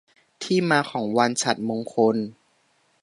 ที่มาของวันฉัตรมงคล